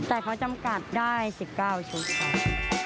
แต่เขาจำกัดได้๑๙ชุดค่ะ